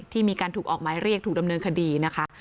มีการถูกออกหมายเรียกถูกดำเนินคดีนะคะ